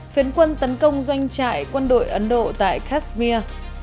phiến quân tấn công doanh trại quân đội ấn độ tại kashmir